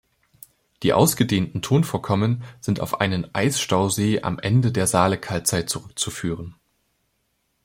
Die ausgedehnten Tonvorkommen sind auf einen Eisstausee am Ende der Saalekaltzeit zurückzuführen.